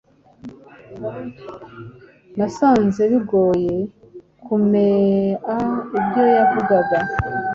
Nasanze bigoye kumea ibyo yavugaga.